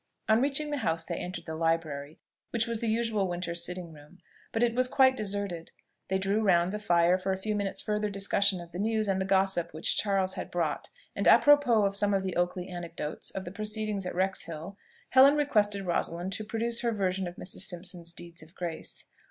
On reaching the house, they entered the library, which was the usual winter sitting room; but it was quite deserted. They drew round the fire for a few minutes' further discussion of the news and the gossip which Charles had brought; and, apropos of some of the Oakley anecdotes of the proceedings at Wrexhill, Helen requested Rosalind to produce her version of Mrs. Simpson's deeds of grace.